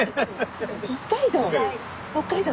北海道。